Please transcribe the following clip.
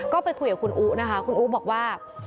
ก็ไปคุยกับคุณอู๋นะคะคุณอู๋บอกว่า